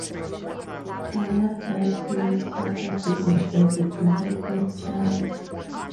Anna died two weeks after giving birth to her third child.